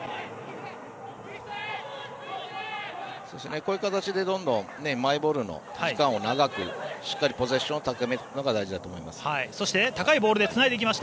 こういう形でどんどんマイボールの時間を長く、しっかりポゼッションをとっていくのが大事だと思います。